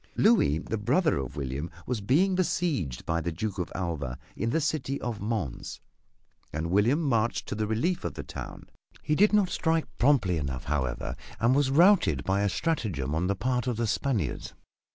Louis, the brother of William, was being besieged by the Duke of Alva in the city of Mons, and William marched to the relief of the town. He did not strike promptly enough, however, and was routed by a strategem on the part of the Spaniards.